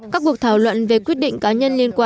các cuộc thảo luận về quyết định cá nhân liên quan